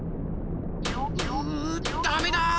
うダメだ！